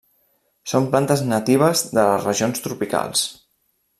Són plantes natives de les regions tropicals.